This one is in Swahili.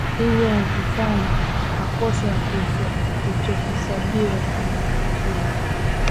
Hivyo hufanya makosa ya kutohesabiwa kwa makusudi